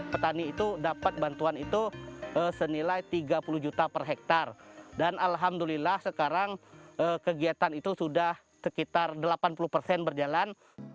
petani itu dapat bantuan itu senilai tiga puluh juta per hektare dan alhamdulillah sekarang kegiatan itu sudah sekitar delapan puluh persen berjalan